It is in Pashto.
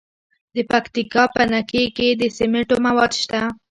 د پکتیکا په نکې کې د سمنټو مواد شته.